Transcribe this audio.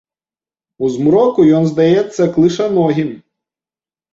У змроку ён здаецца клышаногім.